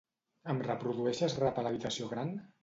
Em reprodueixes rap a l'habitació gran?